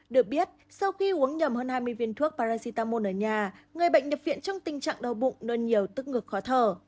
được biết sau khi uống nhầm hơn hai mươi viên thuốc paracetamol ở nhà người bệnh đập viện trong tình trạng đau bụng nôn nhiều tức ngược khó thở